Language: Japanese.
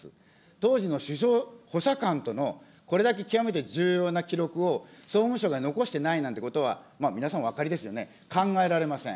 当時の首相補佐官との、これだけ極めて重要な記録を総務省が残していないなんていうことは、皆さんお分かりですよね、考えられません。